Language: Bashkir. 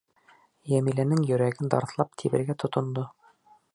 Йәмиләнең йөрәге дарҫлап тибергә тотондо.